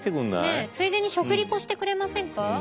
ねえついでに食リポしてくれませんか。